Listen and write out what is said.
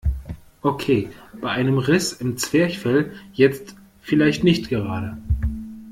Okay, bei einem Riss im Zwerchfell jetzt vielleicht nicht gerade.